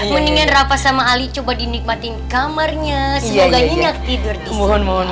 mendinganght sama ali coba dinikmati kamarnya semuanya tidak tidur mohon mohon